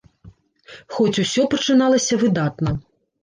Хоць усё пачыналася выдатна.